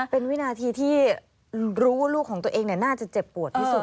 เป็นวินาทีที่รู้ว่าลูกของตัวเองน่าจะเจ็บปวดที่สุด